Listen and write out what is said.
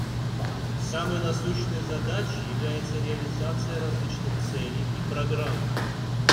Самой насущной задачей является реализация различных целей и программ.